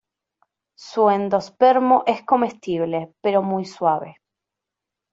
Su endospermo es comestible, pero muy suave.